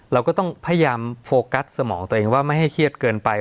เราก็ต้องพยายามโฟกัสสมองตัวเองว่าไม่ให้เครียดเกินไป